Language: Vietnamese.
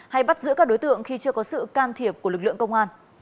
hay bắt giữ các đối tượng khi chưa có sự can thiệp của lực lượng công an